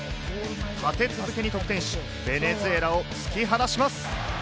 立て続けに得点し、ベネズエラを突き放します。